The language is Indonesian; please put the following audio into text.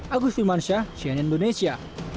agus wimansyah sian indonesia